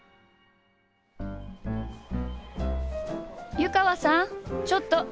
湯川さんちょっと。